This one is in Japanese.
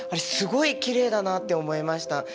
すごいきれいだなって思いました。